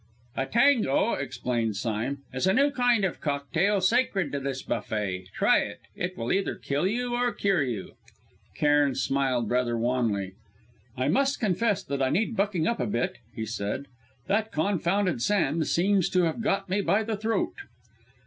"A 'tango,'" explained Sime, "is a new kind of cocktail sacred to this buffet. Try it. It will either kill you or cure you." Cairn smiled rather wanly. "I must confess that I need bucking up a bit," he said: "that confounded sand seems to have got me by the throat."